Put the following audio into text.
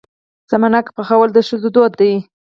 سمنک پخول د ښځو دود دی.